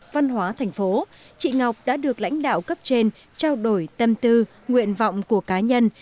văn hóa thành phố chị ngọc đã được lãnh đạo cấp trên trao đổi tâm tư nguyện vọng của cá nhân